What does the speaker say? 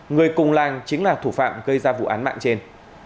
người cùng lan chính là thủ phạm gây ra vụ án mạng trên